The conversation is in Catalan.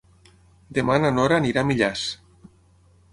Demà na Nora anirà a Millars.